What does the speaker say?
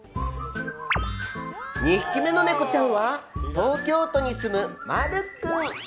２匹目のネコちゃんは東京都に住む、まる君。